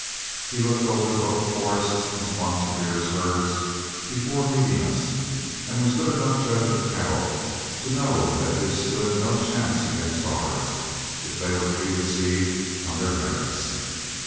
He looked over both Forrest's and Sponsilier's herds before meeting us, and was good enough judge of cattle to know that his stood no chance against ours, if they were to be received on their merits.